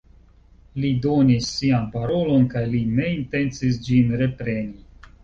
Li donis sian parolon, kaj li ne intencis ĝin repreni.